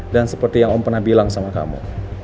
dan seperti yang om pernah bilang sama kamu